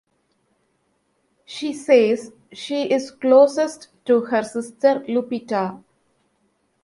She says she is closest to her sister Lupita.